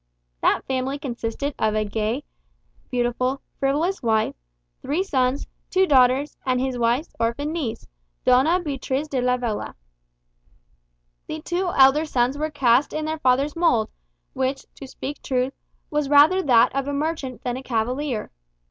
That family consisted of a beautiful, gay, frivolous wife, three sons, two daughters, and his wife's orphan niece, Doña Beatriz de Lavella. The two elder sons were cast in their father's mould; which, to speak truth, was rather that of a merchant than of a cavalier.